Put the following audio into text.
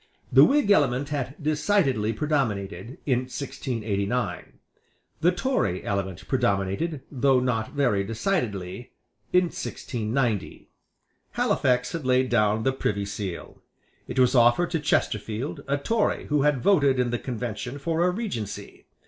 The Whig element had decidedly predominated, in 1689. The Tory element predominated, though not very decidedly, in 1690. Halifax had laid down the Privy Seal. It was offered to Chesterfield, a Tory who had voted in the Convention for a Regency.